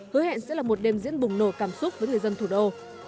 hứa hẹn sẽ là một đêm diễn bùng nổ cảm xúc với người dân thủ đô